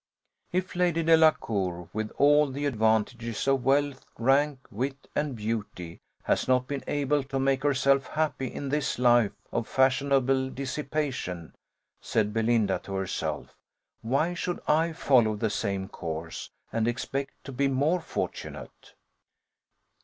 "If Lady Delacour, with all the advantages of wealth, rank, wit, and beauty, has not been able to make herself happy in this life of fashionable dissipation," said Belinda to herself, "why should I follow the same course, and expect to be more fortunate?"